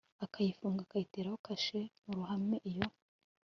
akayifunga akayiteraho kashe mu ruhame iyo